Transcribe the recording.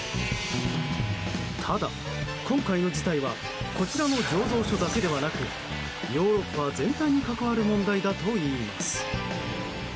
ただ今回の事態はこちらの醸造所だけではなくヨーロッパ全体に関わる問題だといいます。